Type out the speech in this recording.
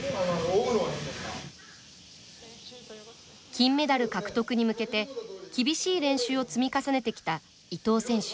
金メダル獲得に向けて厳しい練習を積み重ねてきた伊藤選手。